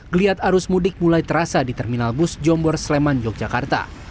geliat arus mudik mulai terasa di terminal bus jombor sleman yogyakarta